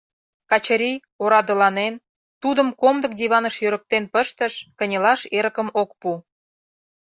Качырий, орадыланен, тудым комдык диваныш йӧрыктен пыштыш, кынелаш эрыкым ок пу.